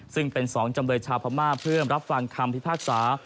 ซึ่งเป็น๒จำเลยชาวพม่าเพื่อรับฟังคำพิพากษา